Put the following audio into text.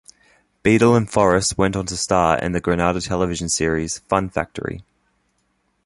Beadle and Forrest went on to star in the Granada Television series "Fun Factory".